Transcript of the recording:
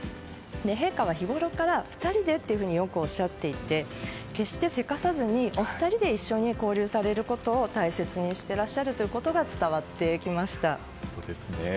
陛下は日ごろから２人でというふうによくおっしゃっていて決してせかさずにお二人で一緒に交流されることを大切にしていらっしゃるということが伝わってきました。